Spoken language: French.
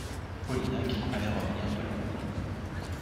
Polignac allait revenir de Londres.